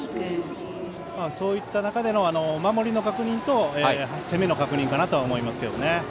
そういった中での守りの確認と攻めの確認かなと思います。